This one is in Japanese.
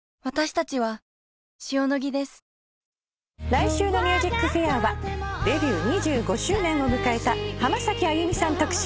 来週の『ＭＵＳＩＣＦＡＩＲ』はデビュー２５周年を迎えた浜崎あゆみさん特集。